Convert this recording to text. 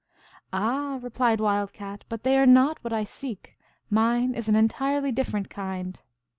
" Ah !" replied Wild Cat, " but they are not what I seek. Mine is an entirely different kind."